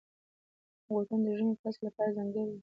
بوټونه د ژمي فصل لپاره ځانګړي وي.